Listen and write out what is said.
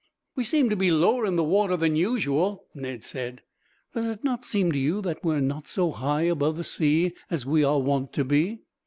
"We seem to be lower in the water than usual," Ned said. "Does not it seem to you that we are not so high above the sea as we are wont to be?"